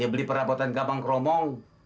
dia beli perambutan gambang keromong